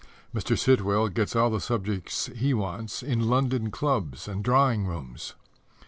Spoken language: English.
Mr. Sitwell gets all the subjects he wants in London clubs and drawing rooms.